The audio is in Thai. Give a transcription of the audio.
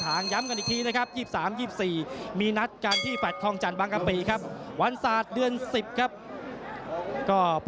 อายุยังน้อยปลดยกปลดยก